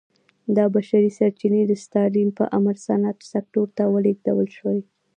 دا بشري سرچینې د ستالین په امر صنعت سکتور ته ولېږدول شوې